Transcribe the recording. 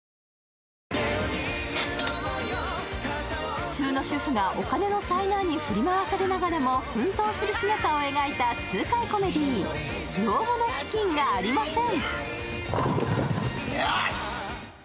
普通の主婦がお金の災難に振り回されながらも、奮闘する姿を描いた痛快コメディー、「老後の資金がありません！」。